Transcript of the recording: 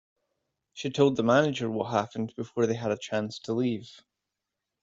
She told the manager what happened before they had a chance to leave.